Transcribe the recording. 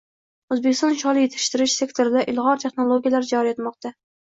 O‘zbekiston sholi yetishtirish sektorida ilg‘or texnologiyalar joriy etilmoqdang